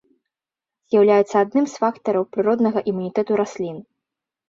З'яўляюцца адным з фактараў прыроднага імунітэту раслін.